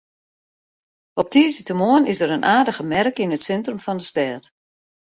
Op tiisdeitemoarn is der in aardige merk yn it sintrum fan de stêd.